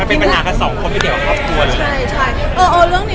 มันเป็นปัญหาทั้งสองคนไม่เดียวกับครอบครัวเลย